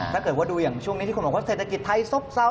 ถ้าเกิดว่าดูอย่างช่วงนี้ที่คนบอกว่าเศรษฐกิจไทยซบเศร้า